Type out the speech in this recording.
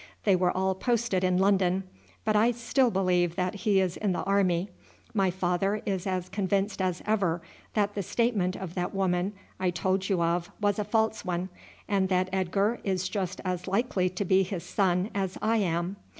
They were all posted in London, but I still believe that he is in the army. My father is as convinced as ever that the statement of that woman I told you of was a false one, and that Edgar is just as likely to be his son as I am.